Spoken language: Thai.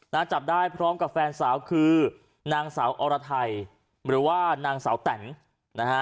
จับได้พร้อมกับแฟนสาวคือนางสาวอรไทยหรือว่านางสาวแตนนะฮะ